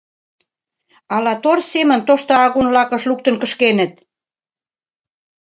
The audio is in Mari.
Ала тор семын тошто агун лакыш луктын кышкеныт?